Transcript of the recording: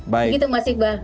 begitu mas iqbal